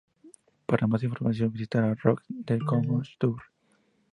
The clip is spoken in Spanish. Para más información visitar: Rock the Cosmos Tour